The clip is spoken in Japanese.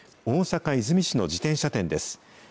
大阪・和泉市の自転車店です。